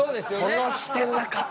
その視点なかったな。